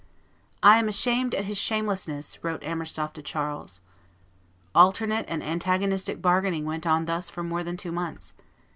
"I am ashamed at his shamelessness," wrote Armerstorff to Charles. Alternate and antagonistic bargaining went on thus for more than two months.